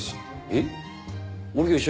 えっ？